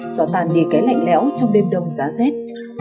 do tàn đi cái lạnh lẽo trong đêm đông giá rét